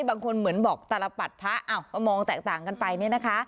บางคนเหมือนบอกตลปัดพระก็มองแตกต่างกันไปเนี่ยนะคะ